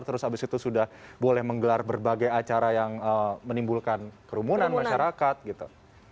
terus abis itu sudah boleh menggelar berbagai acara yang menimbulkan kerumunan masyarakat gitu